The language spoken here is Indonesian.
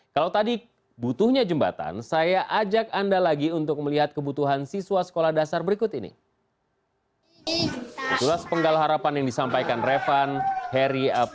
kalau tadi butuhnya jembatan saya ajak anda lagi untuk melihat kebutuhan siswa sekolah dasar berikut ini